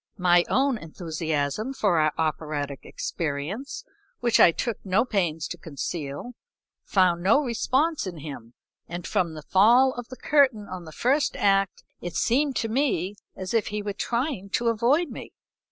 My own enthusiasm for our operatic experience, which I took no pains to conceal, found no response in him, and from the fall of the curtain on the first act it seemed to me as if he were trying to avoid me.